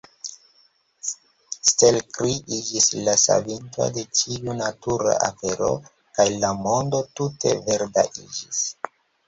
Stelkri iĝis la savinto de ĉiu natura afero, kaj la mondo tute verda iĝis.